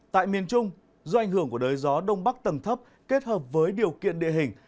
tại miền trung do ảnh hưởng của đới gió đông bắc tầng thấp kết hợp với điều kiện địa hình